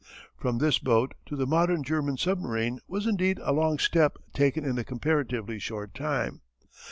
_] From this boat to the modern German submarine was indeed a long step taken in a comparatively short time.